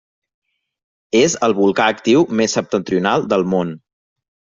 És el volcà actiu més septentrional del món.